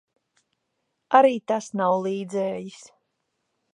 Arī tas nav līdzējis.